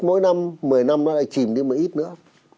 mỗi năm một mươi năm nó lại chìm đi một ít nữa